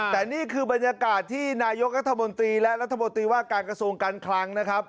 แต่นี่คือบรรยากาศที่นายกรัฐมนตรีและรัฐมนตรีว่าการกระทรวงการคลังนะครับ